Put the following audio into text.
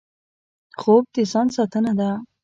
خوب د ځان ساتنه ده